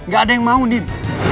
gak ada yang mau di